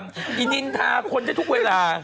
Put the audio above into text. ไอ้นินทาคนจะทุกเวลา